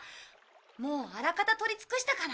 もうあらかた取りつくしたかな？